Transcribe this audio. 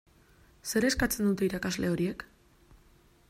Zer eskatzen dute irakasle horiek?